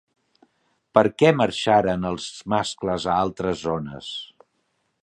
Per què marxaren els mascles a altres zones?